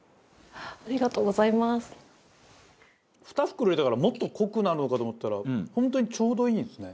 ２袋入れたからもっと濃くなるのかと思ったら本当にちょうどいいですね。